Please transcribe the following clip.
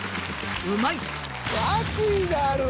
うまい！